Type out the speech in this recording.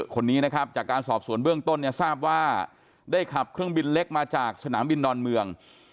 คนนี้นะครับจากการสอบสวนเบื้องต้นเนี่ยทราบว่าได้ขับเครื่องบินเล็กมาจากสนามบินดอนเมือง